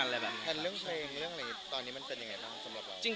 แต่เรื่องเพลงตอนนี้มันเป็นยังไงบ้างสำหรับเรา